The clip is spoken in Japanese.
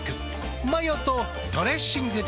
マヨとドレッシングで。